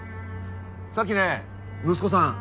さっきね息子さん